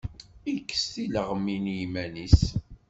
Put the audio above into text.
Ikes tileɣmin iman-is.